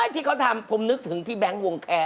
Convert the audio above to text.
ที่เขาทำผมนึกถึงพี่แบงค์วงแคร์